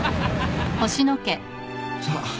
さあ。